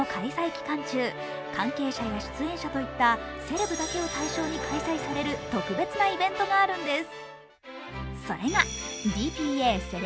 期間中関係者や出演者といったセレブだけを対象に開催される特別なイベントがあるんです。